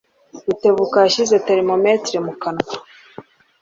Rutebuka yashyize termometero mu kanwa